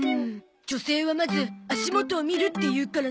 女性はまず足元を見るっていうからなあ。